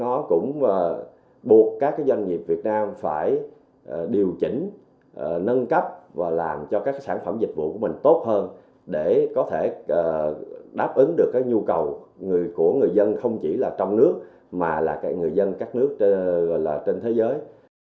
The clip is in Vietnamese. nó cũng buộc các doanh nghiệp việt nam phải điều chỉnh nâng cấp và làm cho các sản phẩm dịch vụ của mình tốt hơn để có thể đáp ứng được nhu cầu của người dân không chỉ là trong nước mà là người dân các nước trên thế giới